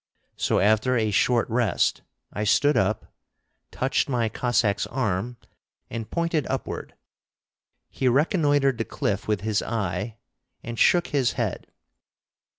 So after a short rest I stood up, touched my Cossack's arm, and pointed upward. He reconnoitred the cliff with his eye, and shook his head.